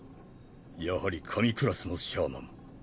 やはり神クラスのシャーマン。